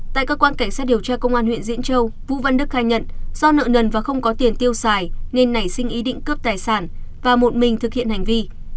tại cơ quan cảnh sát điều tra công an huyện diễn châu vũ văn đức khai nhận do nợ nần và không có tiền tiêu xài nên nảy sinh ý định cướp tài sản và một mình thực hiện hành vi